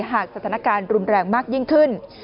หากสถานการณ์รุนแรงมากยิ่งขึ้น